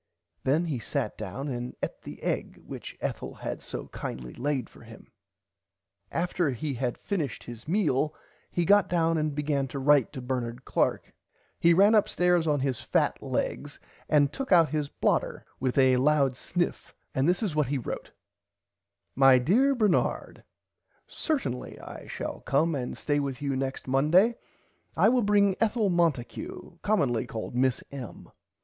Then he sat down and eat the egg which Ethel had so kindly laid for him. After he had finished his meal he got down and began to write to Bernard Clark he ran up stairs on his fat legs and took out his blotter with a loud sniff and this is what he wrote My dear Bernard Certinly I shall come and stay with you next Monday I will bring Ethel Monticue commonly called Miss M.